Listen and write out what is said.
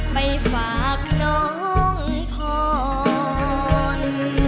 ไปฝากน้องผ่อน